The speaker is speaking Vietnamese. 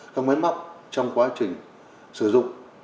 các máy móc trong quá trình sử dụng